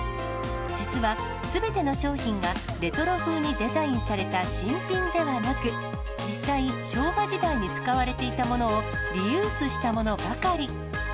実は、すべての商品がレトロ風にデザインされた新品ではなく、実際、昭和時代に使われていたものを、リユースしたものばかり。